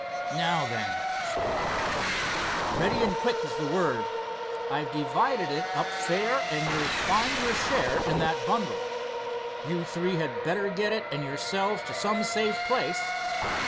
"Now, then," spoke Dawson, "ready and quick is the word. I've divided it up fair, and you'll find your share in that bundle. You three had better get it and yourselves to some safe place."